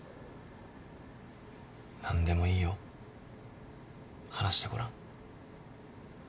何でもいいよ話してごらん。